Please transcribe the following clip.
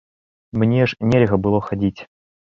Мне ж нельга было хадзіць.